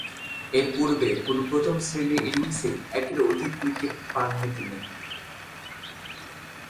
এরপূর্বে কোন প্রথম-শ্রেণীর ইনিংসেই একের অধিক উইকেট পাননি তিনি।